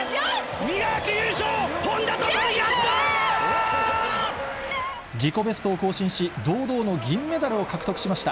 ミラー自己ベストを更新し、堂々の銀メダルを獲得しました。